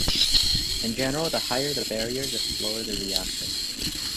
In general, the higher the barrier, the slower the reaction.